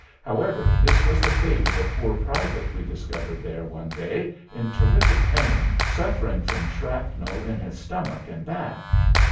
However, this was the fate of a poor private we discovered there one day in terrific pain, suffering from shrapnel in his stomach and back.